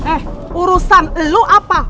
eh urusan elu apa